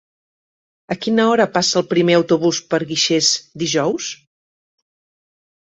A quina hora passa el primer autobús per Guixers dijous?